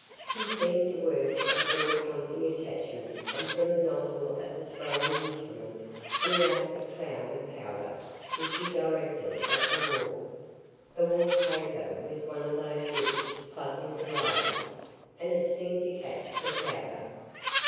He seemed to work a sort of pumping attachment and from the nozzle of the spraying instrument blew out a cloud of powder which he directed at the wall. The wall paper was one of those rich, fuzzy varieties and it seemed to catch the powder.